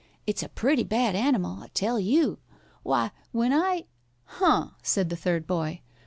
It's a pretty bad animal, I tell you. Why, when I " "Huh!" said the third boy.